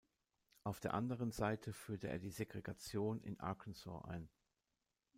Auf der anderen Seite führte er die Segregation in Arkansas ein.